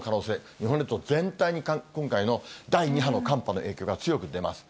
日本列島全体に、今回の第２波の寒波の影響が強く出ます。